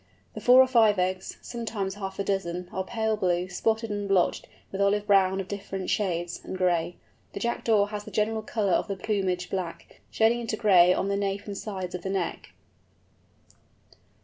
The four or five eggs—sometimes half a dozen—are pale blue, spotted and blotched with olive brown of different shades, and gray. The Jackdaw has the general colour of the plumage black, shading into gray on the nape and sides of the neck.